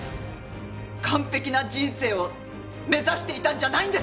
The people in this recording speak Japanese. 完璧な人生を目指していたんじゃないんですか！？